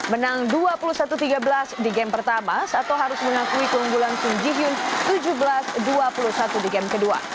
menang dua puluh satu tiga belas di game pertama sato harus mengakui keunggulan sung ji hyun tujuh belas dua puluh satu di game kedua